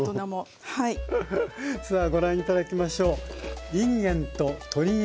さあご覧頂きましょう。